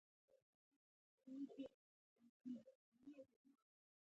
غوړې د ویټامینونو د جذبولو لپاره مهمې دي.